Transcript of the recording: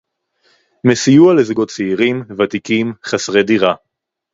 מסיוע לזוגות צעירים, ותיקים, חסרי דירה